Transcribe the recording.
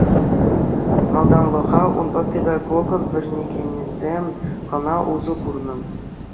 Малтанлӑха унпа педагогӑн вӗренекенӗсем кӑна усӑ курнӑ.